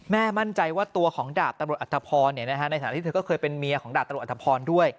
แม่มั่นใจว่าตัวของดาบตะโรดอัทธพรในสถานที่เธอก็เคยเป็นเมียของดาบตะโรดอัทธพรด้วย